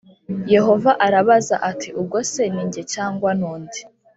yehova arabaza ati ubwo se ni jye cyangwa ni undi